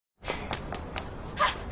あっ！